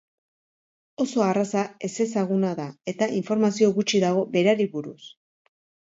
Oso arraza ezezaguna da, eta informazio gutxi dago berari buruz.